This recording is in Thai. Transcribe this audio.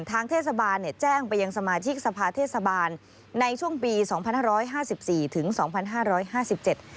ทางเทศบาลเนี่ยแจ้งไปยังสมาชิกสภาเทศบาลในช่วงปีสองพันห้าร้อยห้าสิบสี่ถึงสองพันห้าร้อยห้าสิบเจ็ด